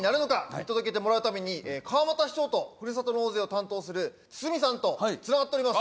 見届けてもらうために川俣市長と「ふるさと納税」を担当する堤さんと繋がっております。